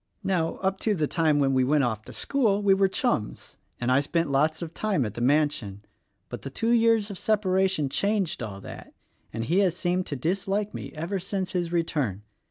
Now, up to the time when he went off to school we were chums, and I spent lots of time at the mansion; but the two years of separation changed all that, and he has seemed to dislike me ever since his return.